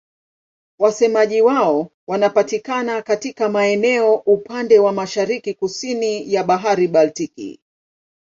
Wasemaji wao wanapatikana katika maeneo upande wa mashariki-kusini ya Bahari Baltiki.